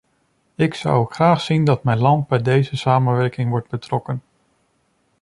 Ik zou ook graag zien dat mijn land bij deze samenwerking wordt betrokken.